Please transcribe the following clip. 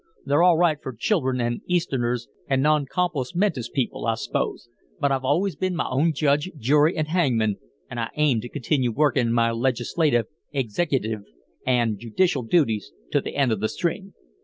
They're all right for children an' Easterners an' non compos mentis people, I s'pose, but I've always been my own judge, jury, an' hangman, an' I aim to continue workin' my legislatif, executif, an' judicial duties to the end of the string.